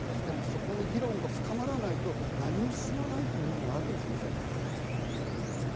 そこの議論が深まらないと、何も進まないという部分があるかもしれませんね。